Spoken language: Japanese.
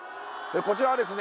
こちらはですね